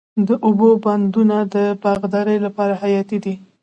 د اوبو بندونه د باغدارۍ لپاره حیاتي دي.